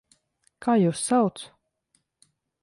Kā jūs sauc?